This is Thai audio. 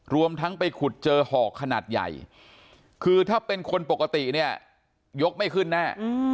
รวมทั้งไปขุดเจอห่อขนาดใหญ่คือถ้าเป็นคนปกติเนี่ยยกไม่ขึ้นแน่